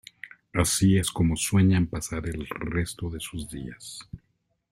Así es como sueñan pasar el resto de sus días.